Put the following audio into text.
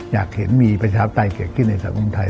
อยากเห็นมีประชาธิปไตยเกิดขึ้นในสังคมไทย